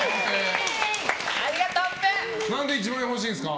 何で１万円欲しいんですか？